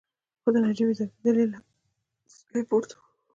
خو د نجيبې ځورېدل يې له حوصلې پورته وو.